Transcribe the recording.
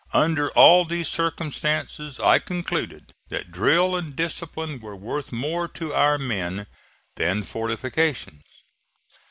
Under all these circumstances I concluded that drill and discipline were worth more to our men than fortifications.